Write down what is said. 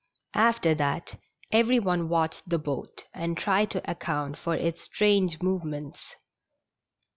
After that every one watched the boat and tried to account for its strange movements.